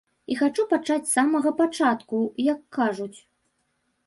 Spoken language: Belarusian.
І хачу пачаць з самага пачатку, як кажуць.